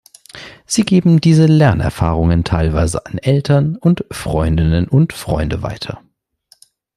Sie geben diese Lernerfahrungen teilweise an Eltern und Freundinnen und Freunde weiter.